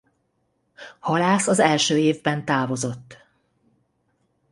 Halász az első évben távozott.